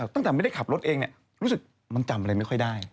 ตั้งแต่ไม่ได้ขับรถเองรู้สึกมันจำอะไรไม่ค่อยได้